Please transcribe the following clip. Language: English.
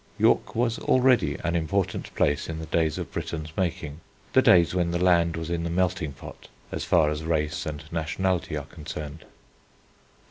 York was already an important place in the days of Britain's making, the days when the land was in the melting pot as far as race and nationality are concerned.